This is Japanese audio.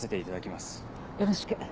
よろしく。